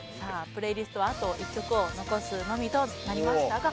プレイリストはあと１曲を残すのみとなりました。